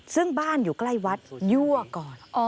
ซึ่งบ้านอยู่ใกล้วัดยั่วก่อน